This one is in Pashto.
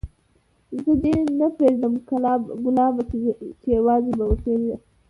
زه دي نه پرېږدم ګلابه چي یوازي به اوسېږې